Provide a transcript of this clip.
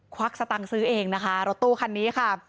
วักสตังค์ซื้อเองนะคะรถตู้คันนี้ค่ะ